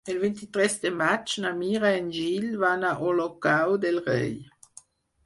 El vint-i-tres de maig na Mira i en Gil van a Olocau del Rei.